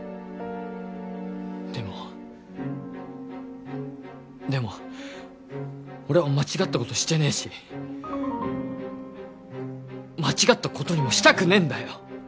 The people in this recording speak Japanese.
でもでも俺は間違ったことしてねえし間違ったことにもしたくねえんだよ